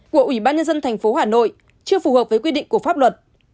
của ủy ban nhân dân thành phố hà nội chưa phù hợp với quy định của pháp luật